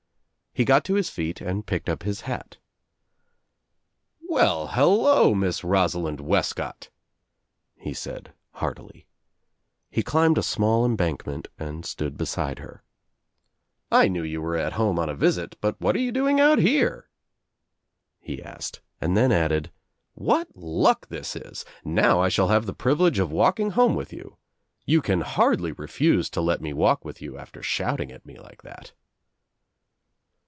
He got to his feet and picked up his hat. "Well, hello, Miss Rosa lind Wescott," he said heartily. He climbed a small embankment and stood beside her. "I knew you were at home on a visit but what are you doing out here?" he asked and then added, "What luck this Is I Now I shall have the privilege of walking home with you. You can hardly refuse to let me walk with you after shouting at me like that."